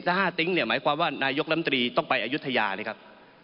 ถ้า๕ติ๊งเนี่ยหมายความว่านายกลำตรีต้องไปอายุทยาเลยครับ